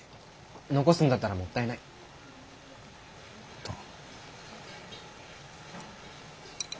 残すんだったらもったいないと。